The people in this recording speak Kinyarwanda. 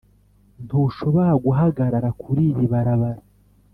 ntushobora guhagarara kuriyi barabara.